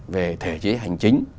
về thể chế hành chính